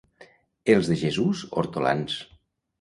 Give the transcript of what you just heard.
Els de Jesús, hortolans.